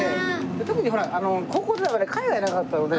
特にほら高校時代まで海外長かったので。